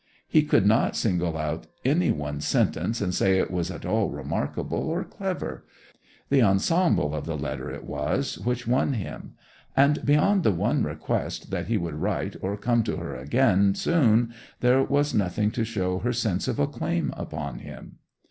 He could not single out any one sentence and say it was at all remarkable or clever; the ensemble of the letter it was which won him; and beyond the one request that he would write or come to her again soon there was nothing to show her sense of a claim upon him.